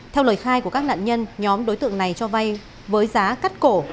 theo lời khai của các nạn nhân nhóm đối tượng này cho vay với giá cắt cổ